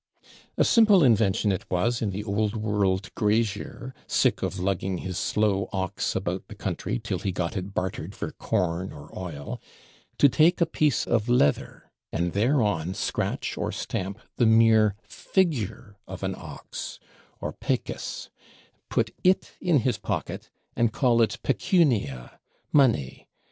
A simple invention it was in the old world Grazier, sick of lugging his slow Ox about the country till he got it bartered for corn or oil, to take a piece of Leather, and thereon scratch or stamp the mere Figure of an Ox (or Pecus); put it in his pocket, and call it Pecunia, Money.